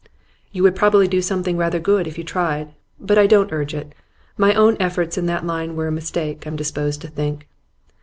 'You would probably do something rather good if you tried. But I don't urge it. My own efforts in that line were a mistake, I'm disposed to think.